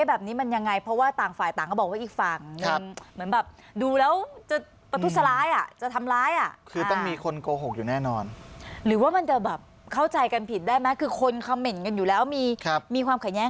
แบบนี้มันยังไงแต่ต่างฝ่ายต่างก็บอกว่าอีกฝั่ง